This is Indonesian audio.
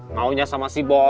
mau nya sama si bosnya